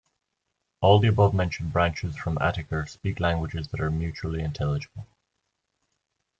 All the above-mentioned branches from Ateker speak languages that are mutually intelligible.